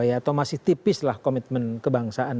atau masih tipislah komitmen kebangsaan